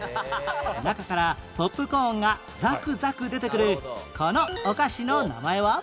中からポップコーンがザクザク出てくるこのお菓子の名前は？